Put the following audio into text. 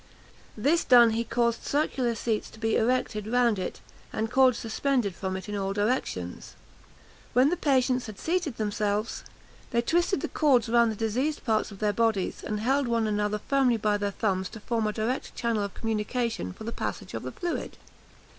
This done, he caused circular seats to be erected round it, and cords suspended from it in all directions. When the patients had seated themselves, they twisted the cords round the diseased parts of their bodies, and held one another firmly by their thumbs to form a direct channel of communication for the passage of the fluid.